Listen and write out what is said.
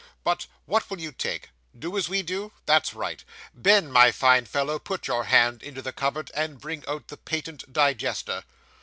But what will you take? Do as we do? That's right. Ben, my fine fellow, put your hand into the cupboard, and bring out the patent digester.